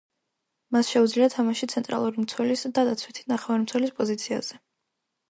მას შეუძლია თამაში ცენტრალური მცველის და დაცვითი ნახევარმცველის პოზიციაზე.